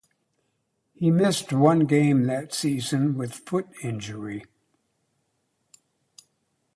He missed one game that season with foot injury.